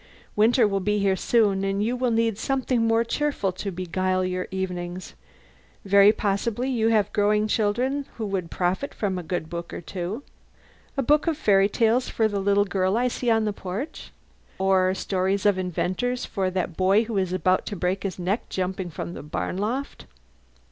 Winter will be here soon, and you will need something more cheerful to beguile your evenings. Very possibly you have growing children who would profit by a good book or two. A book of fairy tales for the little girl I see on the porch? Or stories of inventors for that boy who is about to break his neck jumping from the barn loft?